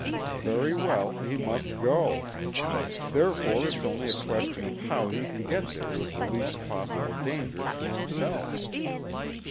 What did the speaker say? Very well, he must go. Therefore it's only a question how he can get there with the least possible danger to himself.